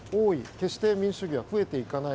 決して民主主義は増えていかない。